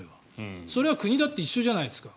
それは国だって一緒じゃないですか。